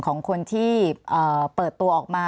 ของคนที่เปิดตัวออกมา